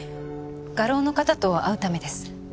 画廊の方と会うためです。